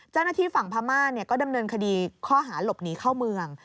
เจ้าหน้าที่ฝั่งพม่าก็ดำเนินคดีข้อหาหลบหนีเข้าเมือง